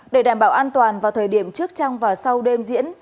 để đảm bảo an toàn vào thời điểm trước trong và sau đêm diễn